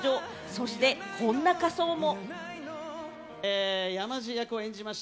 そして、こんな仮装も。